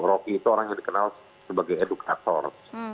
rocky itu orang yang dikenal sebagai edukator